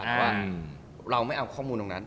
เพราะว่าเราไม่เอาข้อมูลตรงนั้น